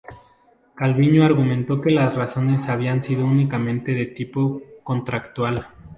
Calviño argumentó que las razones habían sido únicamente de tipo contractual.